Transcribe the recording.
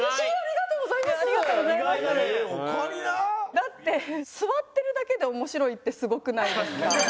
だって座ってるだけで面白いってすごくないですか？